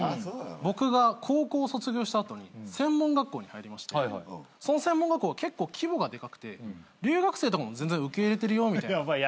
僕が高校卒業した後に専門学校に入りましてその専門学校結構規模がでかくて留学生とかも全然受け入れてるよみたいな。